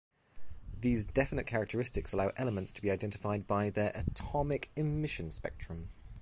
These definite characteristics allow elements to be identified by their atomic emission spectrum.